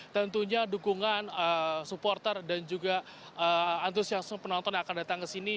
tentunya dukungan supporter dan juga antusiasme penonton yang akan datang ke sini